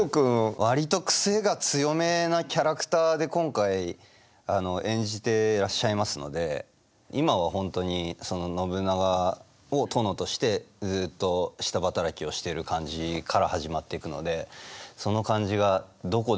割と癖が強めなキャラクターで今回演じてらっしゃいますので今は本当にその信長を殿としてずっと下働きをしている感じから始まっていくのでその感じがどこでどう変わってくのか。